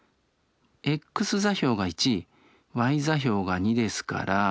ｘ座標が１ｙ座標が２ですから。